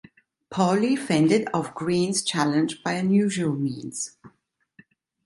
Paulley fended off Green's challenge by unusual means.